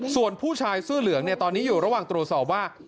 ส่วนผู้ชายเสื้อเหลืองตอนนี้อยู่ระหว่างตรวจสอบว่า